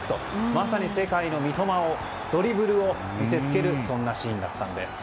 まさに世界の三笘のドリブルを見せつけるそんなシーンだったんです。